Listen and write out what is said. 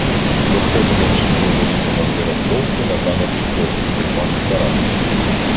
Виходимо в супроводі командира полку на ґанок школи "приймати парад".